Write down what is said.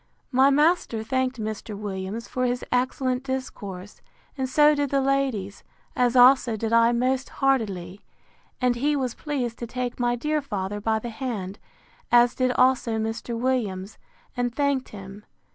] My master thanked Mr. Williams for his excellent discourse, and so did the ladies; as also did I most heartily: and he was pleased to take my dear father by the hand, as did also Mr. Williams, and thanked him.